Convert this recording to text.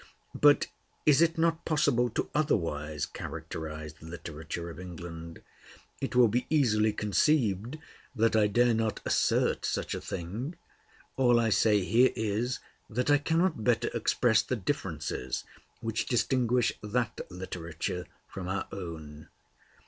But is it not possible to otherwise characterize the literature of England? It will be easily conceived that I dare not assert such a thing; all I say here is, that I cannot better express the differences which distinguish that literature from our own.